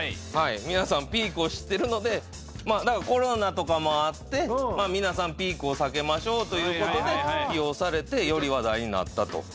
皆さんピークを知ってるのでコロナとかもあって皆さんピークを避けましょうということで起用されてより話題になったと。